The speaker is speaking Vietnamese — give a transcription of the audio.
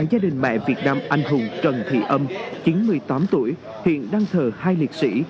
gia đình mẹ việt nam anh hùng trần thị âm chín mươi tám tuổi hiện đang thờ hai liệt sĩ